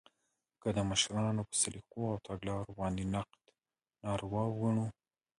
که د مشرانو په سلیقو او تګلارو باندې نقد ناروا وګڼو